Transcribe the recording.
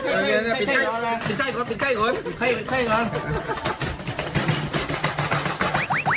ปิ๊บใจก่อน